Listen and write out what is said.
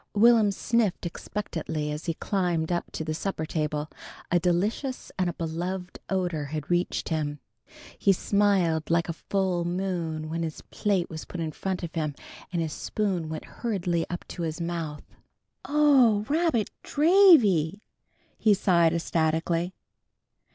Will'm sniffed expectantly as he climbed up to the supper table. A delicious and a beloved odor had reached him. He smiled like a full moon when his plate was put in front of him, and his spoon went hurriedly up to his mouth. "Oh, rabbit dravy!" he sighed ecstatically.